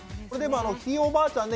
ひいおばあちゃんね